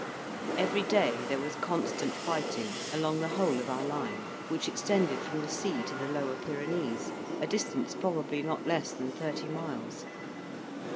Every day there was constant fighting along the whole of our line, which extended from the sea to the lower Pyrenees a distance probably not less than thirty miles.